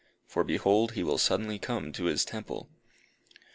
"For, behold, he will suddenly come to his temple!"